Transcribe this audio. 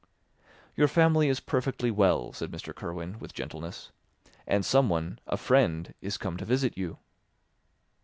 "Your family is perfectly well," said Mr. Kirwin with gentleness; "and someone, a friend, is come to visit you."